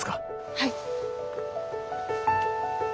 はい。